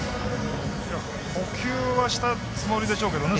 捕球はしたつもりでしょうけどね。